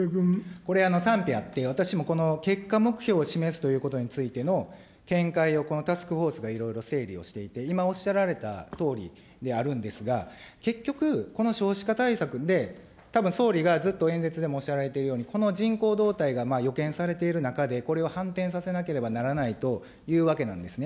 これ、賛否あって、私もこの結果目標を示すということについての見解をタスクフォースがいろいろ整理をしていて、今おっしゃられたとおりであるんですが、結局、この少子化対策で、たぶん総理がずっと演説でもおっしゃられてるとおり、この人口動態が予見されている中で、これを反転させなければならないというわけなんですね。